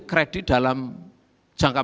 kredit dalam jangka